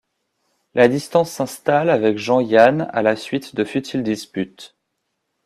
La distance s'installe avec Jean Yanne à la suite de futiles disputes.